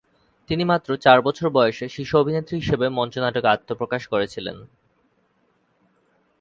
তিনি মাত্র চার বছর বয়সে শিশু অভিনেত্রী হিসাবে মঞ্চ নাটকে আত্মপ্রকাশ করেছিলেন।